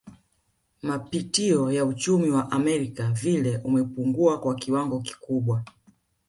Mapitio ya uchumi wa Amerika vile umepungua kwa kiwango kikubwa